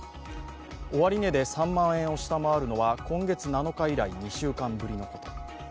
終値で３万円を下回るのは今月７日以来２週間ぶりのこと。